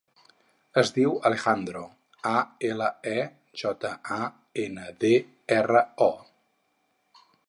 Es diu Alejandro: a, ela, e, jota, a, ena, de, erra, o.